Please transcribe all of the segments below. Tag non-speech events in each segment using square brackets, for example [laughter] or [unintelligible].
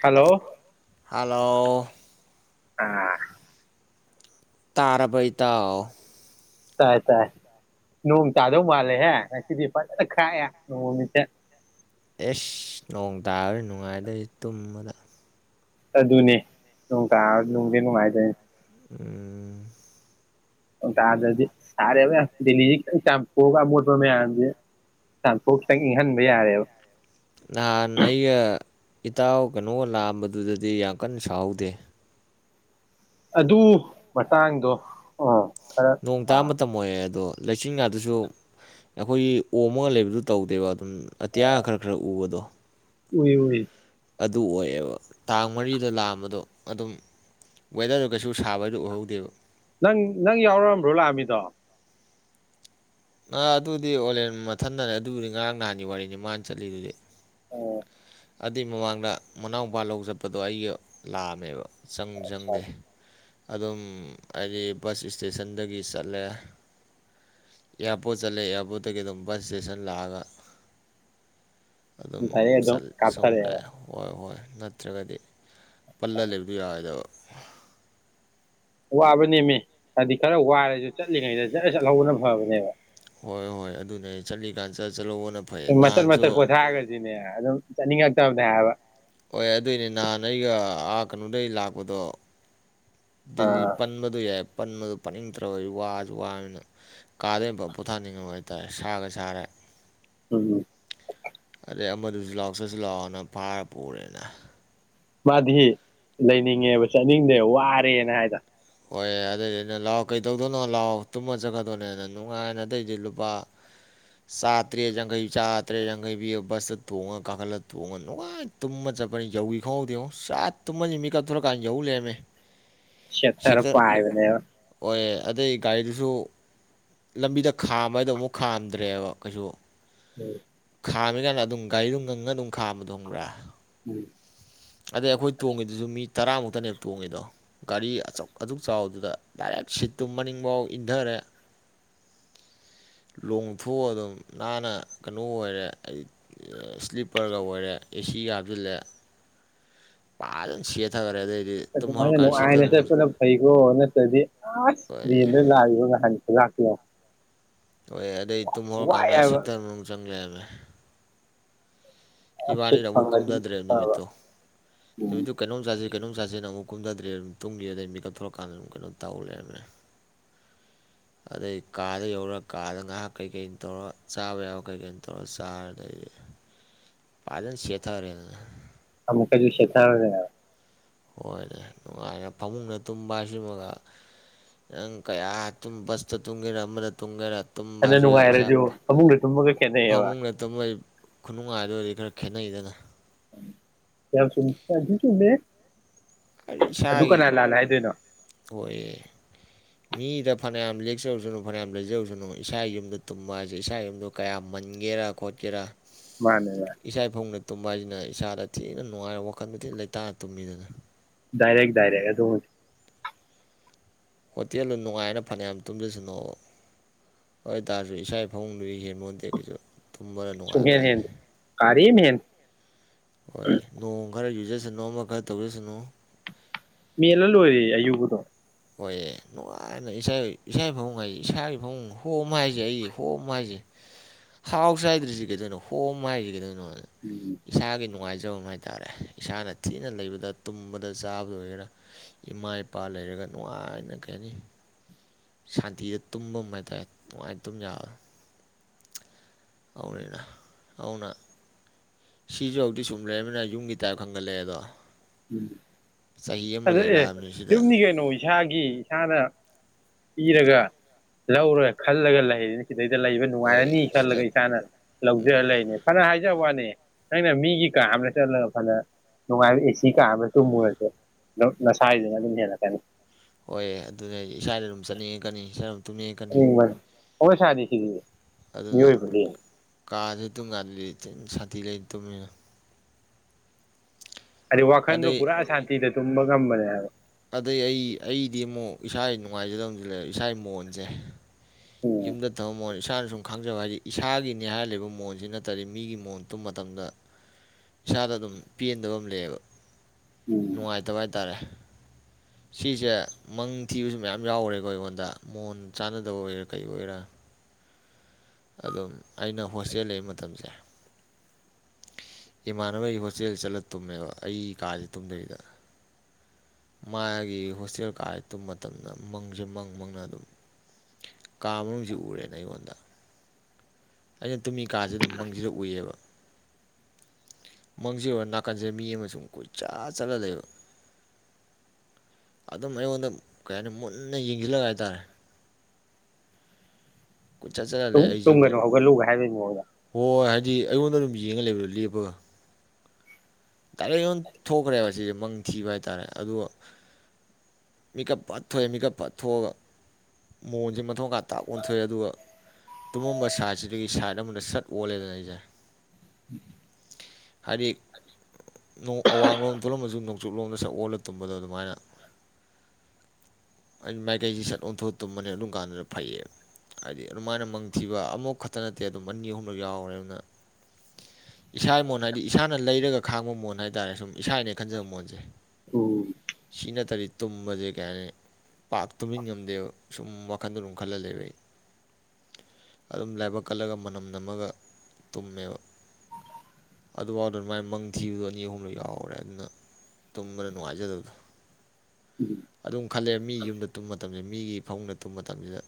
Hello hello ꯀꯅꯥ ꯇꯥꯔꯕ ꯏꯇꯥꯎ ꯇꯥꯏ ꯇꯥꯏ ꯅꯣꯡ ꯆꯥꯗꯧ ꯃꯥꯜꯂꯦꯍꯦ ꯉꯁꯤꯗꯤ ꯐꯖꯅ ꯈꯥꯛꯑꯦ ꯅꯣꯡ ꯃꯃꯤꯠꯁꯦ ꯑꯦꯁ ꯅꯣꯡ ꯇꯥꯔꯣꯏ ꯅꯨꯡꯉꯥꯏꯗꯣꯏꯔꯤ ꯇꯨꯝꯕꯗ ꯑꯗꯨꯅꯦ ꯅꯣꯡ ꯇꯥꯔꯗꯤ ꯅꯨꯡꯗꯤ ꯅꯨꯡꯉꯥꯏꯗꯣꯏꯅꯤ ꯎꯝ ꯇꯥꯗꯗꯤ ꯁꯥꯔꯦꯕ ꯌꯥꯝ ꯗꯦꯜꯂꯤꯁꯤ ꯈꯤꯇꯪ ꯆꯝꯊꯣꯛꯑꯀ ꯑꯃꯣꯠꯄ ꯃꯌꯥꯝꯁꯦ ꯆꯥꯝꯊꯣꯛ ꯈꯤꯇꯪ ꯏꯪꯍꯟꯕ ꯌꯥꯔꯦꯕ ꯅꯍꯥꯟ ꯑꯩꯒ ꯏꯇꯥꯎ ꯀꯩꯅꯣ ꯂꯥꯛꯑꯝꯕꯗꯨꯗꯗꯤ ꯌꯥꯝ ꯀꯟꯅ ꯁꯥꯎꯍꯧꯗꯦ ꯑꯗꯨ ꯃꯇꯥꯡꯗꯣ ꯑꯣ ꯈꯔ ꯅꯣꯡ ꯇꯥꯕ ꯑꯥ ꯃꯇꯝ ꯑꯣꯏꯌꯦ ꯑꯗꯣ ꯂꯩꯆꯤꯟꯀꯥꯗꯨꯁꯨ ꯑꯩꯈꯣꯏꯒꯤ ꯑꯣꯝꯃꯒ ꯂꯩꯕꯗꯨ ꯇꯧꯗꯦꯕ ꯑꯗꯨꯝ ꯑꯇꯤꯌꯥ ꯈꯔ ꯈꯔ ꯎꯕꯗꯣ ꯎꯏ ꯎꯏ ꯑꯗꯨ ꯑꯣꯏꯑꯦꯕ ꯇꯥꯡ ꯃꯔꯤꯗ ꯂꯥꯛꯑꯝꯕꯗꯣ ꯑꯗꯨꯝ ꯋꯦꯗꯔꯗ ꯀꯩꯁꯨ ꯁꯥꯕꯗꯣ ꯎꯍꯧꯗꯦꯕ ꯅꯪ ꯅꯪ ꯌꯥꯎꯔꯛꯑꯝꯕ꯭ꯔꯣ ꯂꯥꯛꯑꯝꯃꯤꯗꯣ ꯑ ꯑꯗꯨꯗꯤ ꯑꯣꯟꯂꯦꯟ ꯃꯊꯟꯗꯅꯦ ꯑꯗꯨꯕꯨꯗꯤ ꯉꯔꯥꯡ ꯅꯍꯥꯟꯒꯤ ꯋꯥꯔꯤꯅꯤ ꯃꯥꯅ ꯆꯠꯂꯤꯗꯨꯗꯤ ꯑꯣ ꯑꯗꯨꯏ ꯃꯃꯥꯡꯗ ꯃꯅꯥꯎꯄꯥ ꯂꯧ ꯆꯠꯄꯗꯣ ꯑꯩꯒꯤ ꯂꯥꯛꯑꯝꯃꯦꯕ ꯆꯪ ꯆꯪꯗꯦ ꯑꯗꯨꯝ ꯍꯥꯏꯗꯤ ꯕꯁ ꯏꯁꯇꯦꯁꯟꯗꯒꯤ ꯆꯠꯂꯦ ꯑꯦꯌꯥꯔꯄꯣꯔꯠ ꯆꯠꯂꯦ ꯑꯦꯌꯥꯔꯄꯣꯔꯠꯇꯒꯤ ꯑꯗꯨꯝ ꯕꯁ ꯏꯁꯇꯦꯁꯟ ꯂꯥꯛꯑꯒ ꯑꯗꯨꯝ ꯗꯥꯏꯔꯦꯛ ꯑꯗꯨꯝ ꯁꯨꯝ ꯀꯥꯞꯊꯔꯛꯑꯦꯕ ꯂꯩꯑꯦ ꯍꯣꯏ ꯍꯣꯏ ꯅꯠꯇ꯭ꯔꯒꯗꯤ ꯄꯜꯂꯜꯂꯤꯕꯗꯨ ꯌꯥꯏꯗꯕ ꯋꯥꯕꯅꯦꯃꯤ ꯍꯥꯏꯗꯤ ꯈꯔ ꯋꯥꯔꯁꯨ ꯆꯠꯂꯤꯉꯩꯗ ꯖꯠ ꯆꯠꯍꯧꯕꯅ ꯐꯕꯅꯦꯕ ꯍꯣꯏ ꯍꯣꯏ ꯑꯗꯨꯅꯦ ꯆꯠꯂꯤꯀꯥꯟꯗ ꯆꯠ ꯆꯠꯍꯧꯕꯅ ꯐꯩ ꯃꯇꯠ ꯅꯍꯥꯟꯁꯨ ꯃꯇꯠ ꯄꯣꯊꯥꯒ꯭ꯔꯗꯤꯅ‌ꯦ ꯑꯗꯨꯝ ꯆꯠꯅꯤꯡꯉꯥꯛꯇꯕꯅ‌ꯦ ꯍꯥꯏꯕ ꯍꯣꯏ ꯑꯗꯨꯏꯅꯦ ꯅꯍꯥꯟ ꯑꯩꯒꯥ ꯀꯩꯅꯣꯗꯩ ꯂꯥꯛꯄꯗꯣ [unintelligible] ꯂꯤ ꯑꯥ ꯄꯟꯃꯗꯨ ꯌꯥ ꯄꯟꯃꯗꯨ ꯄꯥꯅꯤꯡꯇ꯭ꯔꯕꯗꯤ ꯋꯥꯁꯨ ꯋꯥꯅꯤꯅ ꯀꯥꯗꯣꯏꯕ ꯄꯣꯊꯥꯅꯤꯡꯉꯕ ꯍꯥꯏꯇꯥꯔꯦ ꯁꯥꯒ ꯁꯥꯔꯦ ꯎꯝꯝ ꯑꯗꯩ ꯑꯃꯗꯨꯁꯨ ꯂꯥꯎ ꯆꯠꯁꯤ ꯂꯥꯛꯑꯣꯅ ꯐꯥꯔ ꯄꯨꯔꯦꯅ ꯃꯥꯗꯤ ꯂꯩꯅꯤꯡꯉꯦꯕ ꯆꯠꯅꯤꯡꯗꯦ ꯋꯥꯔꯦꯅ ꯍꯥꯏꯗꯅ ꯍꯣꯏ ꯑꯗꯨꯗꯩꯗꯤ ꯑꯩꯅ ꯂꯥꯛꯑꯣ ꯀꯩꯗꯧꯗꯣꯏꯅꯣ ꯂꯥꯛꯑꯣ ꯇꯨꯝꯃ ꯆꯠꯀꯗꯣꯏꯅꯦꯅ ꯅꯨꯡꯉꯥꯏꯅ ꯑꯗꯩꯗꯤ ꯂꯨꯄꯥ ꯆꯥꯇ꯭ꯔꯦꯠ ꯌꯥꯡꯈꯩ ꯆꯥꯇ꯭ꯔ‌ꯦꯠ ꯌꯥꯡꯈꯩ ꯄꯤ ꯕꯁꯇ ꯊꯣꯡꯉ ꯀꯥꯈꯠꯂ ꯊꯣꯡꯉ ꯅꯨꯡꯉꯥꯏ ꯇꯨꯝꯃ ꯆꯠꯄꯅꯤ ꯌꯧꯈꯤ ꯈꯪꯍꯧꯗ‌ꯦ ꯌꯦꯉꯛ ꯆꯥ ꯇꯨꯝꯃꯅꯤ ꯃꯤ ꯀꯞꯊꯣꯔꯀꯥꯟꯗ ꯌꯧ ꯂꯔꯃꯦ ꯁꯦꯊꯔ ꯄꯥꯏꯕꯅꯦꯕ ꯑꯗꯩ ꯒꯥꯔꯤꯗꯨꯁꯨ ꯂꯝꯕꯤꯗ ꯈꯥꯝꯕ ꯗꯣ ꯑꯃꯨꯛ ꯈꯥꯝꯗ꯭ꯔꯦꯕ ꯀꯩꯁꯨ ꯎꯝ ꯈꯥꯝꯃꯤꯀꯥꯟꯗ ꯑꯗꯨꯝ ꯒꯥꯔꯤꯗꯨꯣ ꯉꯪꯉ ꯑꯗꯨꯝ ꯈꯥꯝꯕꯗ‌ꯣ ꯈꯪꯕ꯭ꯔꯥ ꯎꯝ ꯑꯗꯩ ꯑꯩꯈꯣꯏ ꯇꯣꯡꯉꯤꯗꯨꯁꯨ ꯃꯤ ꯇꯔꯥꯃꯨꯛꯇꯅꯦ ꯇꯣꯡꯉꯤꯗꯣ ꯒꯥꯔꯤ ꯑꯆꯧ ꯑꯁꯨꯛ ꯆꯥꯎꯕꯗꯨꯗ ꯗꯥꯏꯔꯦꯛ ꯁꯤꯠꯇꯨ ꯃꯅꯤꯡꯐꯥꯎ ꯏꯟꯊꯔꯦ ꯂꯣꯡꯊꯣꯛꯑ ꯑꯗꯨꯝ ꯅꯥꯟꯅ ꯀꯩꯅꯣ ꯑꯣꯏꯔꯦ ꯏꯁꯂꯤꯞ ꯄꯔꯒ ꯑꯣꯏꯔꯦ ꯑꯦꯁꯤꯒꯗ ꯂꯦ ꯄꯥ ꯑꯗꯨ ꯁ‌ꯦꯊꯒ꯭ꯔ‌ꯦ ꯑꯗꯩ ꯑꯗꯨꯃꯥꯏꯅ ꯅꯨꯡꯉꯥꯏꯅ ꯆꯠ ꯄꯨꯂ ꯐꯩꯀ‌ꯣ ꯅꯠꯇꯗꯤ ꯑꯁ ꯍꯣꯏ ꯂꯦꯟꯗ ꯂꯥꯛꯏꯕꯣ ꯉꯍꯥꯟ ꯔꯥꯛꯂꯣ ꯍ ꯑ ꯑꯗꯨꯩ ꯇꯨꯝꯍꯧꯔꯀꯥꯟꯗ ꯁꯦꯛꯇꯔ ꯃꯅꯨꯡ ꯆꯪꯂꯦꯕ [inaudible] ꯑꯁ ꯁꯤꯠ ꯏꯕꯥꯅꯤꯅ ꯑꯃꯨꯛ ꯐꯪꯉꯗꯤ ꯀꯨꯝꯗꯗ꯭ꯔꯦꯕ ꯐꯕ ꯅꯨꯃꯤꯠꯇꯣ ꯅꯨꯃꯤꯠꯇꯨ ꯀꯩꯅꯣꯝ ꯆꯥꯖꯤ ꯀꯩꯅꯣꯝ ꯆꯥꯁꯦꯅ ꯑꯃꯨꯛ ꯀꯨꯝꯗꯗ꯭ꯔꯦ ꯑꯗꯨꯝ ꯇꯨꯝꯒꯤꯕꯗꯩ ꯑꯗꯨꯝ ꯃꯤꯀꯞ ꯊꯣꯛꯂꯛꯀꯥꯟꯗ ꯑꯗꯨꯝ ꯀꯩꯅꯣ ꯇꯧꯔꯂꯩꯔꯝꯃꯦ ꯑꯗꯩ ꯀꯥꯗ ꯌꯧꯔ ꯀꯥꯗ ꯉꯍꯥꯛ ꯀꯩꯀꯩꯅ ꯇꯧꯔ ꯆꯥꯕ ꯌꯥꯕ ꯀꯩꯀꯩꯅꯣ ꯇꯧꯔ ꯆꯥꯔꯗꯩ ꯐꯖꯅ ꯁꯦꯠꯊꯔꯦꯗꯅ ꯑꯃꯨꯛꯀꯁꯨ ꯁꯦꯊꯔꯨꯔꯦ ꯍꯥꯏ ꯍꯣꯏꯅꯦ ꯅꯨꯡꯉꯥꯏꯔꯦ ꯐꯃꯨꯡꯅ ꯇꯨꯝꯕꯥꯁꯤꯃꯒ ꯅꯪ ꯀꯌꯥ ꯇꯨꯝ ꯕꯁꯇ ꯇꯨꯝꯒꯦꯔꯥ ꯑꯃꯗ ꯇꯨꯝꯒꯦꯔꯥ ꯇꯨꯝꯕ ꯐꯅ ꯍꯥꯏꯁꯨ ꯌꯥꯏ ꯏꯁꯥ ꯅꯨꯡꯉꯥꯏꯔꯁꯨ ꯐ ꯐꯃꯨꯡꯗ ꯇꯨꯝꯕꯒ ꯈꯦꯠꯅꯩꯌꯦꯕ ꯐꯃꯨꯡꯗ ꯇꯨꯝꯕꯩ ꯈꯨꯅꯨꯡꯉꯥꯏꯗꯨꯗꯩꯗꯤ ꯈꯔ ꯈꯦꯠꯅꯩꯗꯅ ꯌꯥꯝ ꯆꯨꯝ [unintelligible] ꯆꯨꯝꯃꯦꯍꯦ ꯑꯩ ꯏꯁꯥꯒꯤ ꯑꯣꯏꯌꯦ ꯃꯤꯒꯤꯗ ꯐꯅꯌꯥꯝ ꯂꯦꯛꯆꯔꯨꯁꯅꯨ ꯐꯅꯌꯥꯝ ꯂꯩꯖꯔꯨꯁꯅꯨ ꯏꯁꯥ ꯌꯨꯝꯗ ꯇꯨꯝꯕ ꯍꯥꯏꯁꯦ ꯏꯁꯥ ꯌꯨꯝꯗꯣ ꯀꯌꯥ ꯃꯟꯒꯦꯔꯥ ꯈꯣꯠꯀꯦꯔꯥ ꯃꯥꯅꯦꯕ ꯏꯁꯥꯒꯤ ꯐꯃꯨꯡꯗ ꯇꯨꯝꯕ ꯍꯥꯏꯁꯤꯅ ꯏꯁꯥꯗ ꯊꯤꯅ ꯅꯨꯡꯉꯥꯏꯕ ꯋꯥꯈꯟꯗꯣ ꯊꯤꯅ ꯂꯩꯇꯥꯅ ꯇꯨꯝꯃꯤꯗꯅ ꯗꯥꯏꯔꯦꯛ ꯗꯥꯏꯔꯦꯛ ꯑꯗꯨꯅꯤ ꯍꯣꯇꯦꯜꯗꯨ ꯅꯨꯡꯉꯥꯏꯅ ꯐꯅꯌꯥꯝ ꯇꯨꯝꯖꯁꯅꫭꯕ ꯍꯣꯏ ꯇꯥꯔꯁꯨ ꯏꯁꯥꯏ ꯐꯥꯃꯨꯡꯗꯨꯗꯩ ꯍꯦꯟꯄꫭꯟꯗꯦ ꯀꯩꯁꯨ ꯇꯨꯝꯕꯅ ꯅꯨꯡꯉꯥꯏꯕ ꯍꯥꯏꯔꯦ ꯔꯤꯝ ꯍꯦꯟ ꯍꯣꯏ ꯅꯣꯡ ꯈꯔ ꯌꯨꯖꯁꯅꯨ ꯑꯃ ꯈꯔ ꯇꯧꯖꯁꯅꯨ ꯃꯦꯜꯂ ꯂꯣꯏꯔꯦ ꯑꯌꯨꯕꯗꯣ ꯍꯣꯏꯑꯦ ꯅꯨꯡꯉꯥꯏꯅ ꯏꯁꯥꯏ ꯏꯁꯥꯏ ꯐꯃꯨꯡ ꯍꯥꯏꯁꯦ ꯏꯁꯥꯒꯤ ꯐꯃꯨꯡ ꯍꯣꯝ ꯍꯥꯏꯁꯦ ꯑꯩꯒꯤ ꯍꯣꯝ ꯍꯥꯏꯁꯦ ꯍꯥꯎꯁ ꯍꯥꯏꯗ‍꯭ꯔꯤꯁꯦ ꯀꯩꯗꫭꯏꯅꯣ ꯍꯣꯝ ꯍꯥꯏꯁꯦ ꯀꯩꯗꫭꯏꯅꯣ ꯑ ꯏꯁꯥꯒꯤ ꯅꯨꯡꯉꯥꯏꯖ [unintelligible] ꯍꯥꯏꯇꯥꯔꯦ ꯏꯁꯥꯅ ꯊꯤꯅ ꯂꯩꯕꯗ ꯇꯨꯝꯕꯗ ꯆꯥꯕꯗ ꯑꯣꯏꯒꯦꯔꯥ ꯏꯃꯥ ꯏꯄꯥ ꯂꯩꯔꯒ ꯅꯨꯡꯉꯥꯏꯅ ꯀꯩꯍꯥꯏꯅꯤ ꯁꯥꯟꯇꯤꯗ ꯇꯨꯝꯕꯝ ꯍꯥꯏꯇꯥꯔꯦ ꯅꯨꯡꯉꯥꯏꯅ ꯇꯨꯝꯌꯥꯕ ꯑꯧꯅꯤꯅ ꯑꯧꯅꯥ ꯁꯤꯁꯨ ꯍꯧꯗꯤ ꯁꯨꯝꯂꯩꯔꯕꯅꯤꯅ ꯁꯨꯝ ꯌꯨꯝꯒꯤ ꯇꯥꯏꯞ ꯈꯟꯒꯠꯂꯑꯦꯗꯣ ꯑꯗ ꯑꯦ ꯂꯩꯔꯛꯑꯕꯅꯤ ꯁꯤꯗ ꯌꯨꯝꯗꯤ ꯀꯩꯅꯣ ꯏꯁꯥꯒꯤ ꯏꯁꯥꯅ ꯏꯔꯒ ꯂꯧꯔꯒ ꯈꯜꯂꯒ ꯂꯩꯔꯤꯅꯤ ꯁꯤꯗ ꯑꯗꯨꯗꯩꯗ ꯂꯩꯕ ꯍꯣꯏ ꯅꯨꯡꯉꯥꯏꯔꯅꯤ ꯁꯤꯗ ꯈꯜꯂꯒ ꯏꯁꯥꯅ ꯂꯧꯖꯔ ꯂꯩꯅꯦ ꯐꯅ ꯍꯥꯏꯖꯕ ꯋꯥꯅꯦ ꯑꯩꯅ ꯃꯤꯒꯤ ꯀꯥ ꯑꯝꯗ ꯆꯠꯂꯦꯒ ꯈꯜꯂꫭ ꯅꯨꯡꯉꯥꯏꯕ ꯑꯦ ꯁꯤ ꯁꯤ ꯀꯥ ꯑꯃ ꯇꯨꯝꯃꯨꯔꯁꯨ ꯅ ꯅꯁꯥꯏꯗꯨꯅ ꯑꯗꯨꯝ ꯍꯦꯜꯂꯛꯀꯅꯤ ꯍꯣꯏꯑꯦ ꯑꯗꯨꯅꯤ ꯍꯥꯏꯁꯦ ꯏꯁꯥꯒꯤ ꯔꯨꯝ ꯆꯠꯅꯤꯡꯉꯀꯅꯤ ꯏꯁꯥ ꯔꯨ ꯇꯨꯝꯅꯤꯡꯉꯛꯀꯅꯤ ꯑꯣ ꯁꯥꯗꯦꯁꯤꯁꯨ ꯑꯗꯨꯅ ꯀꯥꯁꯤ ꯑꯗꯨꯝ ꯀꯥꯟꯗꯤ ꯁꯇꯤ ꯂꯩ ꯇꯕꯃꯤꯅ ꯑꯗꯤ ꯋꯥꯈꯟꯗꯣ ꯑꯗꯩ ꯄꯨꯔꯥ ꯁꯥꯟꯇꯤꯗ ꯇꯨꯝꯕ ꯉꯝꯕꯅꯦꯕ ꯑꯗꯩ ꯑꯩ ꯑꯩꯗꯤ ꯑꯃꯨꯛ ꯏꯁꯥꯒꯤ ꯅꯨꯡꯉꯥꯏꯖꯗꯕꯁꯨ ꯂꯩ ꯏꯁꯥꯒꯤ ꯃꯣꯟꯁꯦ ꯎꯝ ꯌꯨꯝꯗꯣ ꯊꯃꯣꯜ ꯏꯁꯥꯅ ꯁꯨꯝ ꯈꯪꯖꯕ ꯍꯥꯏꯗꯤ ꯏꯁꯥꯒꯤꯅꯤ ꯍꯥꯏꯔꯤꯕꯕ ꯃꯣꯟꯁꯤ ꯅꯠꯇ꯭ꯔꯗꯤ ꯃꯤꯒꯤ ꯃꯣꯟ ꯇꯨꯝ ꯃꯇꯝꯗ ꯏꯁꯥꯗ ꯑꯗꯨꯝ ꯄꯦꯟꯗꯕ ꯑꯃ ꯂꯩꯌꯦꯕ ꯅꯨꯡꯉꯥꯏꯇꯕ ꯍꯥꯏꯇꯥꯔꯦ ꯁꯤꯁꯦ ꯃꯪ ꯊꯤꯕꯁꯨ ꯃꯌꯥꯝ ꯌꯥꯎꯔꯦꯀꯣ ꯑꯩꯉꯣꯟꯗ ꯃꯣꯟ ꯆꯥꯟꯅꯗꯕ ꯑꯣꯏꯒꯔꯥ ꯀ ꯑꯣꯏꯒꯦꯔꯥ ꯑꯗꯨꯝ ꯑꯩꯅ ꯍꯣꯁꯇꯦꯜ ꯂꯩꯕ ꯃꯇꯝꯁꯦ ꯏꯃꯥꯟꯅꯕꯒꯤ ꯍꯣꯁꯇꯦꯜ ꯆꯠꯂ ꯇꯨꯝꯃꯦꯕ ꯑꯩ ꯀꯥꯁꯦ ꯇꯨꯝꯗꯣꯏꯔꯤꯗ ꯃꯥꯒꯤ ꯍꯣꯁꯇꯦꯜ ꯀꯥꯁꯦ ꯇꯨꯝꯕ ꯃꯇꯝꯗ ꯃꯪꯁꯦ ꯃꯪ ꯃꯪꯅ ꯑꯗꯨꯝ ꯀꯥ ꯃꯅꯨꯡꯁꯤ ꯎꯔꯦꯅ ꯑꯩꯉꯣꯟꯗ ꯑꯩ ꯇꯨꯃꯤꯀꯥꯥꯁꯦ ꯑꯗꯨꯝ ꯃꯪꯁꯤꯗ ꯎꯏꯌꯦꯕ ꯃꯪꯁꯤ ꯑꯣꯏ ꯅꯥꯀꯟꯁꯦ ꯃꯤ ꯑꯃꯁꯨꯡ ꯀꯨꯣꯏꯆ ꯆꯠꯂ ꯂꯩꯕ ꯑꯗꯨꯝ ꯑꯩꯉꯣꯟꯗ ꯀꯩ ꯍꯥꯏꯅꯤ ꯃꯨꯟꯅ ꯌꯦꯡꯁꯤꯜꯂꯒ ꯍꯥꯏꯇꯥꯔꯦ ꯀꯣꯏꯆꯠ ꯆꯠꯂ ꯂꯩ ꯑꯩꯁꯦ ꯇꯨꯝꯒꯅꯨ ꯍꯧꯒꯠꯂꯨ ꯍꯥꯢꯕꯩ ꯃ‌ꯑꯣꯡꯗ ꯑꯗꯨꯗꯤ ꯑꯩꯉꯣꯟꯗ ꯑꯗꯨꯝ ꯌꯦꯡꯉ ꯂꯩꯕꯗꯣ ꯂꯦꯄꯒ ꯗꯥꯏꯔꯦꯛ ꯌꯣꯟ ꯊꯣꯛꯈ꯭ꯔꯦꯕ ꯁꯤꯁꯦ ꯃꯪ ꯊꯤꯕ ꯍꯥꯏꯇꯥꯔꯦ ꯑꯗꯨꯒ ꯃꯤꯀꯞ ꯐꯠ ꯊꯣꯛꯑꯦ ꯃꯤꯀꯞ ꯄꯠ ꯊꯣꯛꯑꯒ ꯃꯣꯟꯁꯦ ꯃꯊꯣꯡꯀꯥꯏ ꯇꯥꯛ ꯑꯣꯟꯊꯣꯛꯑꯦ ꯑꯗꯨꯒ ꯇꯨꯝꯃꯝꯕ ꯁꯥꯏꯠꯁꯤꯗꯒꯤ ꯁꯥꯏꯠ ꯑꯃꯗ ꯁꯠ ꯑꯣꯜꯂꯦꯗꯅ ꯑꯩꯖꯔꯦ ꯍꯥꯏꯗꯤ ꯑꯋꯥꯡꯂꯣꯝ ꯇꯣꯜꯂꯝꯃꯁꯨ ꯅꯣꯡꯆꯨꯞ ꯂꯣꯝꯗ ꯁꯛ ꯑꯣꯜꯂ ꯇꯨꯝꯕꯗꯣ ꯑꯗꯨꯃꯥꯏꯅ ꯍꯥꯏ ꯃꯥꯏꯀꯩꯁꯤ ꯁꯠ ꯑꯣꯟꯊꯣꯛ ꯇꯨꯝꯕꯅꯦ ꯑꯗꯨꯝ ꯀꯥꯟꯗꯨꯗ ꯐꯩꯌꯦꯕ ꯍꯥꯏꯗꯤ ꯑꯗꯨꯃꯥꯏꯅ ꯃꯪꯊꯤꯕ ꯑꯃꯐꯛ ꯈꯛꯇ ꯅꯠꯇꯦ ꯑꯗꯨꯝ ꯑꯅꯤ ꯑꯍꯨꯝꯂꯛ ꯌꯥꯎꯈ꯭ꯔꯦ ꯑꯗꯨꯅ ꯏꯁꯥ ꯏꯃꯣꯟ ꯍꯥꯏꯗꯤ ꯏꯁꯥꯅ ꯂꯩꯔꯒ ꯈꯥꯡꯕ ꯃꯣꯟ ꯍꯥꯏꯇꯥꯔꯦ ꯁꯨꯝ ꯏꯁꯥꯅꯦ ꯈꯟꯖꯕ ꯃꯣꯟꯁꯦ ꯎꯝ ꯁꯤ ꯅꯠꯇ꯭ꯔꯗꯤ ꯇꯨꯝꯕꯁꯦ ꯀꯩ ꯍꯥꯏꯅꯤ ꯄꯥꯛ ꯇꯨꯝꯃꯤꯟ ꯉꯝꯗꯦꯕ ꯁꯨꯝ ꯋꯥꯈꯟꯗꯣ ꯑꯗꯨꯝ ꯈꯜꯍꯜꯂꯦꯕ ꯑꯩ ꯑꯗꯨꯝ ꯂꯥꯏꯕꯛ ꯀꯜꯂꯒ ꯃꯅꯝ ꯅꯝꯃꯒ ꯇꯨꯝꯃꯦꯕ ꯑꯗꯨꯐꯥꯎꯗ ꯑꯗꯨ ꯃꯥꯏ ꯃꯪ ꯊꯤꯕꯗꯣ ꯑꯅꯤ ꯑꯍꯨꯝꯗꯣ ꯌꯥꯎꯔꯦ ꯑꯗꯨꯅ ꯇꯨꯝꯕꯗ ꯅꯨꯡꯉꯥꯏꯖꯗꯕꯗꯣ ꯑꯗꯨꯝ ꯈꯜꯂꯦ ꯃꯤ ꯌꯨꯝꯗ ꯇꯨꯝꯕ ꯃꯇꯝꯁꯤꯗ ꯃꯤꯒꯤ ꯐꯃꯨꯡꯗ ꯇꯨꯝꯕ ꯃꯇꯝꯁꯤꯗ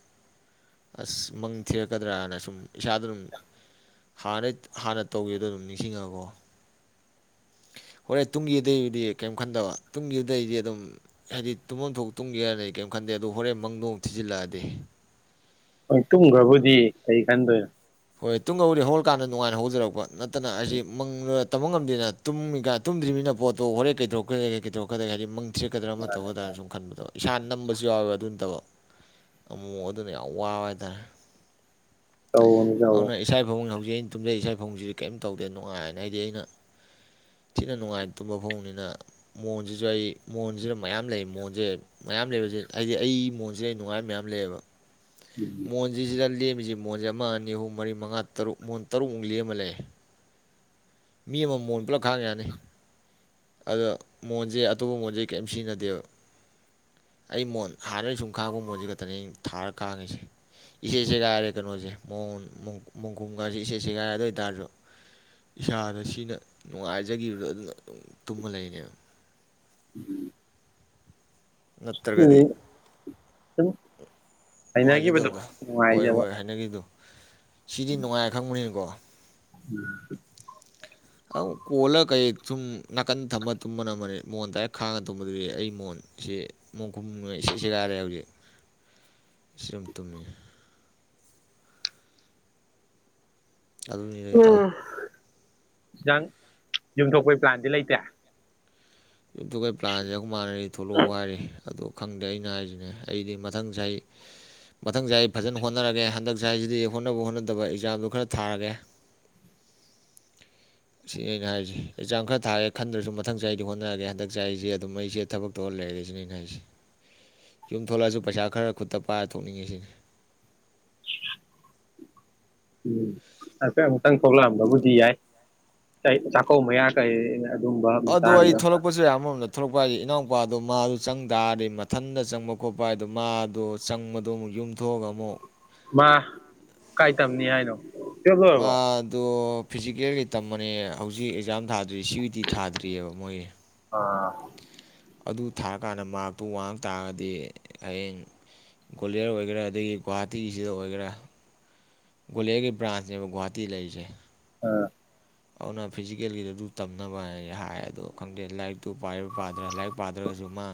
ꯑꯁ ꯃꯪ ꯊꯤꯔꯛꯀꯗ꯭ꯔꯥꯅ ꯁꯨꯝ ꯏꯁꯥꯗ ꯑꯗꯨꯝ ꯍꯥꯟꯅꯩ ꯍꯥꯟꯅ ꯇꯧꯈꯤꯕꯗꯣ ꯑꯗꯨꯝ ꯅꯤꯡꯁꯤꯡꯉꯒꯀꯣ ꯍꯣꯔꯦꯟ ꯇꯨꯡꯒꯤꯗꯩꯗꯨꯗꯤ ꯀꯔꯤꯝ ꯈꯟꯗꯕ ꯇꯨꯡꯒꯤꯗꯨꯗꯩꯗꯤ ꯑꯗꯨꯝ ꯍꯥꯏꯗꯤ ꯇꯨꯝꯐꯝ ꯊꯣꯛ ꯇꯨꯝꯒꯦ ꯍꯥꯏꯗꯤ ꯀꯔꯤꯝ ꯈꯟꯗꯦ ꯑꯗꯨ ꯍꯣꯔꯦꯟ ꯃꯪꯗꯣꯡ ꯊꯤꯖꯤꯜꯂꯛꯑꯗꯤ ꯍꯣꯏ ꯇꯨꯝꯒ꯭ꯔꯕꯨꯗꯤ ꯈꯟꯗꯣꯏꯅꯣ ꯍꯣꯏ ꯇꯨꯡ ꯍꯧꯔꯦ ꯍꯧꯛꯂꯀꯥꯟꯗ ꯅꯨꯉꯥꯏꯅ ꯍꯧꯖꯔꯛꯄ ꯅꯠꯇꯅ ꯑꯁꯤ ꯎꯝ ꯃꯪꯔ ꯇꯝꯕ ꯉꯝꯗꯦ ꯇꯨꯝꯃꯤ ꯀꯥꯏ ꯇꯨꯝꯗ꯭ꯔꯤꯕꯅꯤꯅ ꯄ‌ꯣꯠꯇꯣ ꯍꯣꯔꯦꯟ ꯀꯩ ꯀꯩꯗꯧꯔꯛꯀꯗꯒ‌ꯦ ꯀꯩꯗꯧꯔꯛꯀꯗꯒ‌ꯦ ꯍꯥꯏꯗꯤ ꯃꯪ ꯊꯦꯠꯀꯗ꯭ꯔꯥ ꯑꯃ ꯃꯥꯅꯦ ꯇꯧꯒꯗꯥꯅ ꯁꯨꯝ ꯈꯟꯕꯗꯕ ꯏꯁꯥ ꯅꯝꯕꯁꯨ ꯌꯥꯎꯋꯦꯕ ꯑꯗꯨ ꯅꯠꯇꯕ ꯑꯃꯨꯛ ꯑꯗꯨꯅ ꯌꯥꯝ ꯋꯥꯕ ꯍꯥꯏꯇꯥꯔꯦ ꯑ ꯑꯅ ꯏꯁꯥꯏꯥꯕꯨꯡꯕ ꯍꯧꯖꯤꯛ ꯑꯩꯅ ꯇꯨꯝꯖꯩ ꯏꯁꯥ ꯐꯧꯁꯤꯗꯤ ꯀꯩꯝ ꯇꯧꯗꯦ ꯅꯨꯡꯉꯥꯏꯅ ꯍꯥꯏꯗꯤ ꯑꯩꯅ ꯊꯤꯅ ꯅꯨꯡꯉꯥꯏ ꯇꯨꯝꯕ ꯐꯣꯡꯅꯤꯅ ꯃꯣꯟꯁꯤꯁꯨ ꯑꯩ ꯃꯣꯟꯁꯤꯅ ꯃꯌꯥꯝ ꯂꯩ ꯃꯣꯟꯁꯦ ꯃꯌꯥꯝ ꯂꯩꯕꯁꯦ ꯍꯥꯏꯗꯤ ꯑꯩ ꯃꯣꯟꯁꯤꯗ ꯑꯩ ꯅꯨꯡꯉꯥꯏꯕ ꯃꯌꯥꯝ ꯂꯩꯌꯦꯕ ꯃꯣꯟꯖꯤꯁꯤꯗ ꯂ‌ꯦꯝ ꯃꯤ ꯃꯣꯟꯖ‌ꯦ ꯑꯃ ꯑꯅꯤ ꯑꯍꯨꯝ ꯃꯔꯤ ꯃꯉꯥ ꯇꯔꯨꯛ ꯃꯣꯟ ꯇꯔꯨꯛ ꯃꯨꯛ ꯂ‌ꯦꯝꯃ ꯂꯩ ꯃꯤ ꯑꯃ ꯃꯣꯟ ꯄꯨꯂꯞ ꯈꯥꯡꯉ ꯌꯥꯅꯤ ꯑꯗ ꯃꯣꯟꯁꯦ ꯑꯇꯣꯞꯄ ꯃꯣꯟꯁꯦ ꯀꯩꯝ ꯁꯤꯟꯅꯗꯦꯕ ꯑꯩ ꯃꯣꯟ ꯍꯥꯟꯅ ꯁꯨꯝ ꯏꯁꯥꯗ ꯁꯤꯅ ꯅꯨꯡꯉꯥꯏꯖꯈꯤꯕꯗꯣ ꯑꯗꯨꯅ ꯑꯗꯨꯝ ꯇꯨꯝꯃ ꯂꯩꯅꯦꯕ ꯎꯝ ꯅꯠꯇ꯭ꯔꯒꯗꯤ ꯁꯨꯝ ꯍꯩꯅꯈꯤꯕꯗꯣ ꯅꯨꯡꯉꯥꯏꯖꯗꯕꯗꯣ ꯍꯣꯏ ꯅꯨꯡꯉꯥꯏꯖꯕ ꯍꯣꯏ ꯍꯥꯏꯅꯈꯤꯗꯨ ꯁꯤꯗꯤ ꯅꯨꯡꯉꯥꯏꯔ ꯈꯪꯕꯅꯤꯅꯀꯣ ꯎꯝ ꯑꯪ ꯀꯣꯜꯂꯒ ꯀꯩ ꯁꯨꯝ ꯅꯥꯀꯟ ꯊꯝꯕ ꯇꯨꯝꯕꯅꯝꯕꯅꯤ ꯃꯣꯟ ꯗꯥꯏꯔꯦꯛ ꯈꯥꯡꯉ ꯇꯨꯝꯕꯗꯨꯗꯤ ꯑꯩ ꯃꯣꯟ ꯁꯤ ꯃꯣꯡꯈꯨꯝꯉ ꯏꯁꯩ ꯁꯦꯒꯥꯏꯔꯦ ꯍꯧꯖꯤꯛ ꯁꯤ ꯁꯨꯝ ꯇꯨꯝꯃꯤ ꯑꯗꯨꯅꯤꯗ ꯏꯇꯥꯎ ꯈꯤꯇꯪ ꯌꯨꯝꯊꯣꯛꯄꯩ ꯄ꯭ꯂꯥꯟꯗꯤ ꯂꯩꯇꯦ ꯌꯨꯝ ꯊ‌ꯣꯛꯄꯩ ꯄ꯭ꯂꯥꯟꯁꯦ ꯑꯈ‌ꯣꯢꯃꯥꯅꯗꯤ ꯊꯣꯛꯂꯛꯑꯣ ꯍꯥꯏꯔꯤ ꯑꯗ ꯈꯪꯗꯦ ꯑꯩꯅ ꯍꯥꯏꯁꯤꯅꯦ ꯑꯩꯗꯤ ꯃꯊꯪ ꯆꯍꯤ ꯃꯊꯪ ꯆꯍꯤꯏ ꯐꯖꯅ ꯍꯣꯠꯅꯔꯒꯦ ꯍꯟꯗꯛ ꯁ ꯍꯥꯏꯁꯤꯗꯤ ꯍꯣꯠꯅꯕ ꯍꯣꯠꯅꯗꯕ ꯑꯦꯛꯖꯥꯝꯗꯣ ꯈꯔ ꯊꯥꯔꯒꯦ ꯁꯤꯅꯤ ꯑꯩꯅ ꯍꯥꯏꯔꯤꯁꯤꯦ ꯑꯦꯛꯖꯥꯝ ꯈꯔ ꯊꯥꯒꯦ ꯈꯟꯗ꯭ꯔꯁꯨ ꯃꯊꯪ ꯆꯍꯤꯗꯤ ꯍꯣꯠ ꯅꯗꯤ ꯍꯅꯗꯛꯁ‌ꯦ ꯑꯩꯁꯦ ꯑꯗꯨꯝ ꯑꯩꯁꯦ ꯊꯕꯛ ꯇꯧꯔ ꯂꯩꯔꯦ ꯁꯤꯅꯦ ꯑꯩꯅ ꯍꯥꯏꯁꯦ ꯌꯨꯝ ꯊꯣꯛꯂꯛꯑꯁꯨ ꯄꯩꯁꯥ ꯈꯔ ꯈꯨꯠꯇ ꯄꯥꯏꯔ ꯊꯣꯛꯅꯤꯡꯉꯤꯁꯤꯅꯤ ꯎꯝ ꯑꯈ ꯑꯃꯨꯛꯇꯪ ꯊꯣꯛꯂꯛꯑꯝꯕꯕꯨꯗꯤ ꯌꯥꯏ ꯆꯥꯛꯀꯧꯕ ꯃꯌꯥ ꯀꯩ ꯑꯗꯨꯝꯕ ꯑꯗꯨ ꯑꯩ ꯃꯇꯥꯡꯗ ꯊꯣꯛꯂꯛꯄꯁꯨ ꯌꯥꯏ ꯑꯃꯔꯣꯝꯗ꯫ ꯊꯣꯛꯔꯛꯄ ꯍꯥꯏꯁ ꯏꯅꯥꯎꯄꯥꯗꯣ ꯃꯥꯗꯣ ꯆꯪ ꯇꯥꯔꯗꯤ ꯃꯊꯟꯇ ꯆꯪꯕ ꯈꯣꯠꯄ ꯍꯥꯏꯗꯣ ꯃꯥꯗꯣ ꯆꯪꯕꯗꯣ ꯑꯃꯨꯛ ꯌꯨꯝꯊꯣꯛꯑꯒ ꯑꯃꯨꯛ ꯃꯥ ꯀꯥꯏ ꯇꯝꯅꯤ ꯍꯥꯏꯅꯣ ꯇꯨꯌꯦꯜꯞ ꯂꯣꯏꯔꯕꯣ ꯃꯥꯗꯣ ꯐꯤꯖꯤꯀꯦꯜꯒꯤ ꯇꯝꯃꯅꯤ ꯍꯧꯖꯤꯛ ꯑꯦꯛꯖꯥꯝ ꯊꯥꯗ꯭ꯔꯤ ꯁꯤ ꯌꯨ ꯇꯤ ꯊꯥꯗ꯭ꯔꯤꯌꯦꯕ ꯃꯣꯏꯒꯤ ꯑꯥ ꯑꯗꯨ ꯊꯥꯔꯀꯥꯟꯗ ꯃꯥꯔꯛꯇꯨ ꯋꯥꯡ ꯇꯥꯔꯗꯤ ꯍꯌꯦꯡ [unintelligible] ꯑꯣꯏꯒꯦꯔꯥ ꯑꯗꯒꯤ ꯒꯨꯍꯥꯇꯤꯁꯤꯗ ꯑꯣꯏꯒꯦꯔꯥ [unintelligible] ꯕ꯭ꯔꯥꯟꯅꯦꯕ ꯒꯨꯍ꯭ꯋꯥꯍꯥꯇꯤꯗ ꯂꯩꯔꯤꯁꯦ꯫ ꯑꯥ ꯑꯗꯨꯅ ꯐꯤꯖꯤꯀꯦꯜꯒꯤꯗ ꯑꯗꯨ ꯇꯝꯅꯕ ꯍꯥꯏ ꯍ ꯑꯗꯣ ꯈꯪꯗꯦ ꯂꯥꯏꯔꯤꯛꯇꯨ ꯄꯥꯏꯔ ꯄꯥꯗ꯭ꯔꯤꯔ ꯂꯥꯏꯔꯤꯛ ꯄꯥꯗ꯭ꯔꯒꯁꯨ ꯃꯥ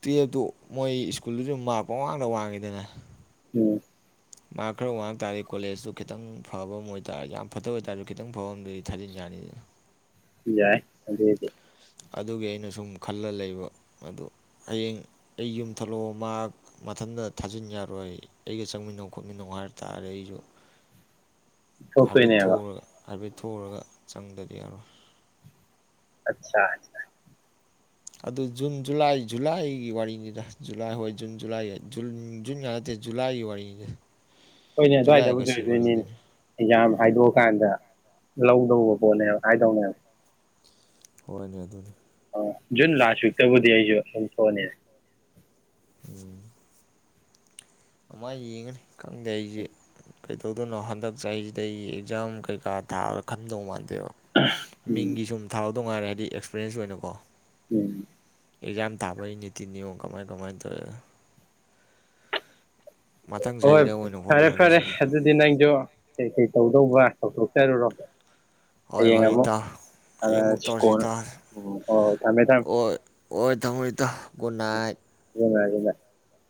ꯇꯨꯌꯦꯜꯞꯇꯨ ꯃꯣꯏ ꯁ꯭ꯀꯨꯜꯗꯨꯁꯨ ꯃꯥꯔꯛꯄꯃꯥꯡꯗ ꯋꯥꯡꯉꯤꯗꯅ ꯎꯝ ꯃꯥꯔꯛ ꯈꯔ ꯋꯥꯉꯛ ꯇꯥꯔꯗꯤ ꯀꯣꯂꯦꯖꯇꯨ ꯈꯤꯇꯪ ꯐꯕ ꯑꯃ ꯑꯣꯏꯇꯥꯥꯔꯗꯤ ꯌꯥꯝ ꯐꯠꯇꯕ ꯑꯣꯏꯇꯥꯥꯔꯁꯨ ꯈꯤꯇꯪ ꯐꯕ ꯑꯃꯗꯗꯤ ꯊꯥꯖꯤꯟꯕ ꯌꯥꯅꯤꯗꯅ꯫ ꯌꯥꯏ ꯑꯗꯨꯏꯗꯤ꯫ ꯑꯗꯨꯒꯤ ꯑꯩꯅ ꯁꯨꯝ ꯈꯜꯂ ꯂꯩꯕ ꯑꯗꯨ ꯍꯌꯦꯡ ꯑꯩ ꯌꯨꯝ ꯊꯣꯛꯂꯛꯑꯣ ꯃꯥ ꯃꯊꯟꯇ ꯊꯥꯖꯤꯟ ꯌꯥꯔꯣꯏ ꯑꯩꯒ ꯆꯪꯃꯤꯟꯅꯧ꯫ ꯈꯣꯠꯃꯤꯟꯅꯧ ꯍꯥꯏ ꯇꯥꯔꯗꯤ ꯑꯩꯁꯨ꯫ ꯍꯥꯏꯐꯦꯠ ꯊꯣꯛꯇꯣꯏꯅꯦꯕ ꯊꯣꯛꯎꯔꯒ ꯍꯥꯏꯐꯦꯠ꯫ ꯊꯣꯛꯎꯔꯒ ꯆꯪꯗꯗꯤ ꯌꯥꯔꯣꯏ ꯑꯆꯥ ꯑꯆꯥ꯫ ꯑꯗꯨ ꯖꯨꯟ ꯖꯨꯂꯥꯏ ꯖꯨꯂꯥꯏꯒꯤ ꯋꯥꯔꯤꯅꯤꯗ ꯖꯨꯂꯥꯏ ꯍꯣꯏ ꯖꯨꯟ ꯖꯨꯂꯥꯏ ꯖꯟ ꯖꯨꯟꯒ ꯅꯠꯇꯦ ꯖꯨꯂꯥꯏꯒꯤ ꯋꯥꯔꯤꯅꯤꯗ꯫ ꯍꯣꯏꯅꯦ ꯖꯨꯂꯥꯏ ꯑꯗꯨꯋꯥꯏꯗꯕꯨ ꯑꯥꯒꯁꯀꯤ ꯋꯥꯔꯤ ꯑꯣꯏꯗꯣꯏꯅꯤꯅꯦ ꯑꯣꯏꯗꯣꯏꯅꯤ ꯑꯦꯛꯖꯥꯝ ꯎꯝ ꯍꯥꯏꯗꯣꯛꯑꯀꯥꯟꯗ ꯂꯧꯗꯧꯕ [unintelligible] ꯍꯥꯏꯗꯧ [unintelligible] ꯍꯣꯏꯅꯦ ꯑꯗꯨꯗꯤ꯫ ꯑ ꯖꯨꯟ ꯂꯥꯁ ꯋꯤꯛꯇꯕꯨꯗꯤ ꯑꯩꯁꯨ ꯌꯨꯝ ꯊꯣꯛꯑꯅꯤ꯫ ꯎꯝ [unintelligible] ꯌꯦꯡꯉꯅꯤ ꯈꯪꯗꯦ ꯑꯩꯁꯦ ꯀꯩꯗꯧꯗꯣꯏꯅꯣ ꯍꯟꯗꯛ ꯆꯍꯤꯁꯤꯗ ꯑꯩꯒꯤ ꯑꯦꯛꯖꯥꯝ ꯀꯩꯀꯥ ꯊꯥꯔꯒ ꯈꯟꯗꯧ ꯃꯥꯟ [unintelligible] ꯎꯝ ꯃꯤꯡꯒꯤ ꯁꯨꯝ ꯊꯥꯎ ꯅꯨꯡꯉꯥꯏꯔꯦ ꯍꯥꯏꯗꯤ ꯑꯦꯛꯁꯄꯤꯔꯦꯟꯁ ꯑꯣꯏꯅꯀꯣ ꯎꯝ ꯑꯦꯛꯖꯥꯝ ꯊꯥꯕꯩꯅꯤꯇꯤꯅꯤꯌꯣ ꯀꯃꯥꯏ ꯀꯃꯥꯏꯅ ꯇꯧꯋꯦ꯫ ꯍꯣꯏ ꯆꯍꯤꯗ ꯑꯣꯏꯅ ꯐꯔꯦ ꯐꯔꯦ ꯍꯣꯠꯅꯔꯒꯦꯁꯤꯅꯤ ꯑꯗꯨꯗꯤ ꯅꯪꯖꯨ ꯀꯩ ꯀꯩ꯫ [unintelligible] ꯇꯧꯊꯣꯛꯆꯔꯨꯔꯣ꯫ ꯍꯣꯏ ꯍꯌꯦꯡ ꯍꯣꯏ ꯑꯃꯨꯛ ꯏꯇꯥꯎ ꯍꯌꯦꯡ ꯑꯃꯨꯛ ꯁꯥꯟꯅꯔꯁꯤ ꯇꯧꯔꯁꯤ ꯀꯣꯟꯅ ꯏꯇꯥꯎ ꯎꯝ ꯍꯣꯏ ꯊꯝꯃꯦ ꯊꯝꯃꯦ ꯍꯣꯏ ꯍꯣꯏ ꯇꯝꯃꯣ ꯏꯇꯥꯎ ꯒꯨꯠ ꯅꯥꯏꯠ꯫ [unintelligible]